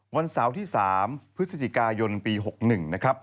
วันเสาร์ที่๓พฤศจิกายนปี๖๑นะครับ